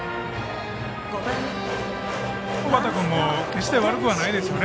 小畠君も決して悪くはないですよね